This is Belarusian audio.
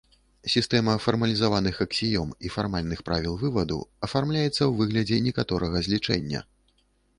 Сістэма фармалізаваных аксіём і фармальных правіл вываду афармляецца ў выглядзе некаторага злічэння.